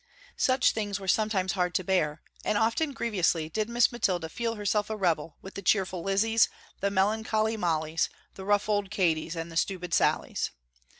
Such things were sometimes hard to bear and often grievously did Miss Mathilda feel herself a rebel with the cheerful Lizzies, the melancholy Mollies, the rough old Katies and the stupid Sallies.